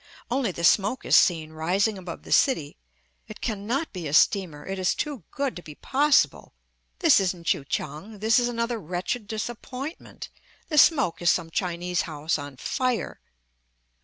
Only the smoke is seen, rising above the city; it cannot be a steamer, it is too good to be possible! this isn't Kui kiang; this is another wretched disappointment, the smoke is some Chinese house on fire!